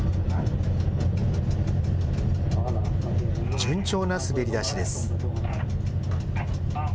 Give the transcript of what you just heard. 順調な滑り出しです。